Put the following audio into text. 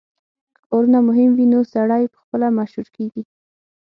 که کارونه مهم وي نو سړی پخپله مشهور کیږي